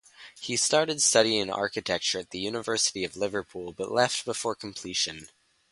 He started studying architecture at the University of Liverpool but left before completion.